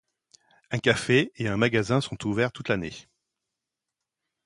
Un café et un magasin sont ouverts toute l'année.